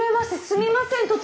すみません